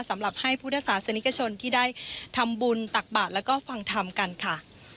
สำหรับให้พุทธศาสนิกชนที่ได้ทำบุญตักบาทแล้วก็ฟังธรรมกันค่ะ